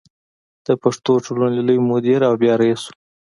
د پښتو ټولنې لوی مدیر او بیا رئیس و.